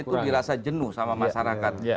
itu dirasa jenuh sama masyarakat